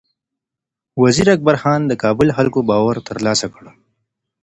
وزیر اکبر خان د کابل خلکو باور ترلاسه کړ.